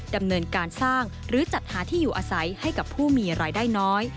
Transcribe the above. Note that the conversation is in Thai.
ดำเนินการสร้างหรือจัดหาที่อยู่อาศัยให้กับผู้มีรายได้น้อย